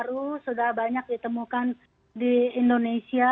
baru sudah banyak ditemukan di indonesia